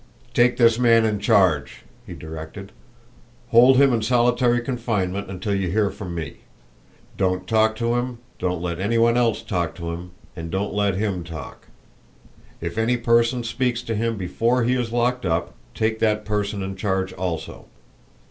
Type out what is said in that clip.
"Take this man in charge," he directed. "Hold him in solitary confinement until you hear from me. Don't talk to him, don't let any one else talk to him, and don't let him talk. If any person speaks to him before he is locked up, take that person in charge also.